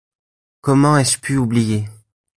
Comment ai-je pu oublier ?